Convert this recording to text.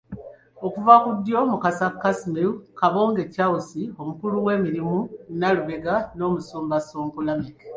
Okuva ku ddyo, Mukasa Casmir, Kabonge Charles, Omukulu w'emirimu Nalubega ne Omusumba Ssonko Lameck.